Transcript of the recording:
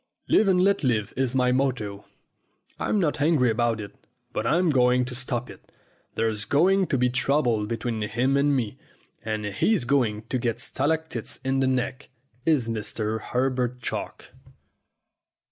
Live and let live is my motto. I'm not angry about it, but I'm going to stop it. There's going to be trouble between him and me, and he's going to get stalactites in the neck, is Mr. Herbert Chalk."